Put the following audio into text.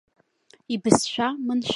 Ибызшәа маншәалоуп.